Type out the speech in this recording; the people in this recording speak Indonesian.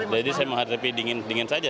saya menghadapi dingin dingin saja